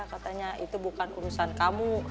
katanya itu bukan urusan kamu